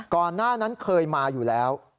ก่อนหน้านั้นเคยมาอยู่แล้ว